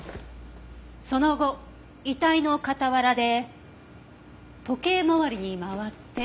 その後遺体の傍らで時計回りに回って。